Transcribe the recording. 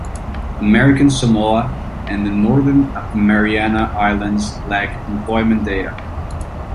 American Samoa and the Northern Mariana Islands lack employment data.